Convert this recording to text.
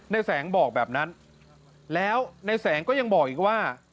ในแสงบอกแบบนั้นแล้วในแสงก็ยังบอกอีกว่า